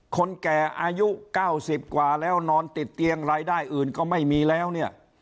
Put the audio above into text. คนแก่อายุ๙๐กว่าแล้วนอนติดเตียงรายได้อื่นก็ไม่มีแล้วเนี่ย